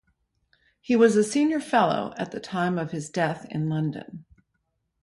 He was a senior fellow at the time of his death in London.